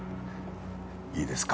いいですか？